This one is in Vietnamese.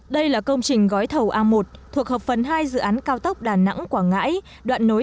đây là công trình gói thầu a một thuộc hợp phần hai dự án cao tốc đà nẵng quảng ngãi đoạn nối